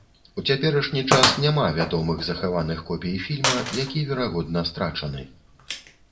У цяперашні час няма вядомых захаваных копій фільма, які, верагодна, страчаны.